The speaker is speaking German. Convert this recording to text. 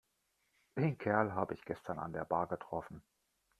Den Kerl habe ich gestern an der Bar getroffen.